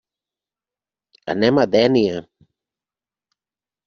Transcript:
Anem a Dénia.